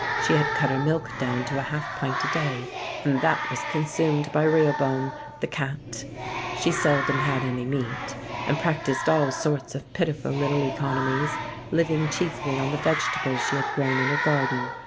She had cut her milk down to a half pint a day, and that was consumed by Rehoboam (the cat). She seldom had any meat, and practised all sorts of pitiful little economies, living chiefly on the vegetables she had grown in her garden.